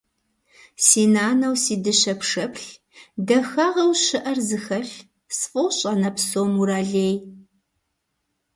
Си нанэу си дыщэ пшэплъ, дахагъэу щыӏэр зыхэлъ, сфӏощӏ анэ псом уралей.